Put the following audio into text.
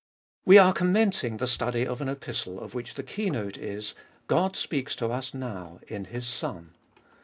We are commencing the study of an Epistle of which the keynote is, God speaks to us now in His Son.